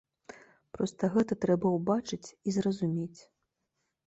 Проста гэта трэба ўбачыць і зразумець.